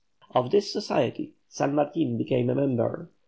Of this society San Martin became a member.